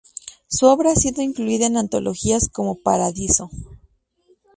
Su obra ha sido incluida en antologías como "Paradiso.